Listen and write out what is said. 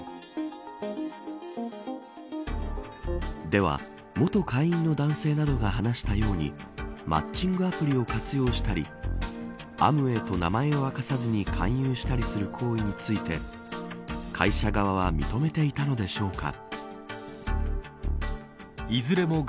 では、元会員の男性などが話したようにマッチングアプリを活用したりアムウェイと名前を明かさずに勧誘したりする行為について会社側は認めていたのでしょうか。